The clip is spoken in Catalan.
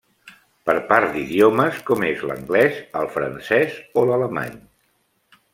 Per part d'idiomes com és l'Anglès el Francès o l'Alemany.